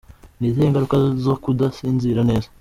Ni izihe ngaruka zo kudasinzira neza ?.